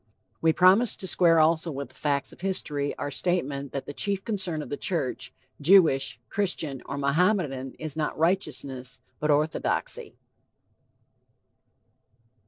We promised to square also with the facts of history our statement that the chief concern of the church, Jewish, Christian, or Mohammedan, is not righteousness, but orthodoxy.